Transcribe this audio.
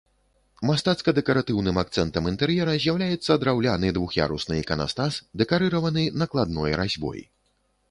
Мастацка-дэкаратыўным акцэнтам інтэр'ера з'яўляецца драўляны двух'ярусны іканастас, дэкарыраваны накладной разьбой.